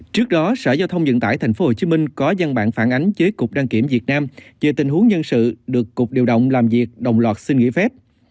trước đó sở giao thông vận tải tp hcm có gian bản phản ánh với cục đăng kiểm việt nam về tình huống nhân sự được cục điều động làm việc đồng loạt xin nghỉ phép